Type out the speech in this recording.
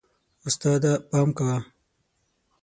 استاده، پام کوه.